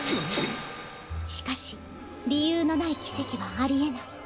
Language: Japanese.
しかし理由のない奇跡はありえない。